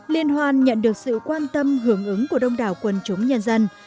liên hoàn nhận được sự quan tâm hưởng ứng của đông đảo quần chúng nhân dân